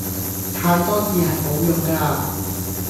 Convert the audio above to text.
太多字係無用架